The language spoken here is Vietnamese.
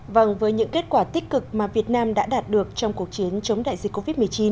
vâng với những kết quả tích cực mà việt nam đã đạt được trong cuộc chiến chống đại dịch covid một mươi chín